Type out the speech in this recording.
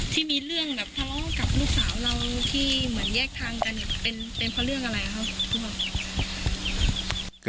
ที่มีเรื่องแบบทะเลาะกับลูกสาวเราที่เหมือนแยกทางกันเนี่ยเป็นเพราะเรื่องอะไรครับคุณหมอ